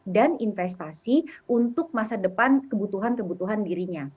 investasi untuk masa depan kebutuhan kebutuhan dirinya